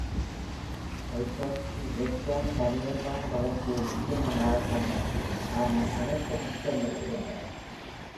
வைட்டோட்ஸ்கி இயற்கையான, தன்னியல்பான வளர்ச்சியை முக்கியமானதாகக் கண்டார், ஆனால் அனைத்தும் முக்கியமில்லை என்றார்..